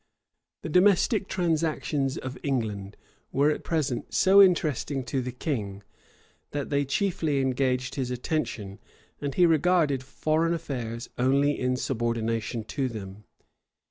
* Burnet, vol. ii. p. 83. The domestic transactions of England were at present so interesting to the king, that they chiefly engaged his attention; and he regarded foreign affairs only in subordination to them.